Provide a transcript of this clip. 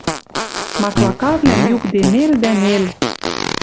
Маклакавлӓм юкде нел дӓ нел...